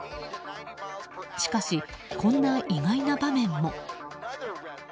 しかし、こんな意外な場面も。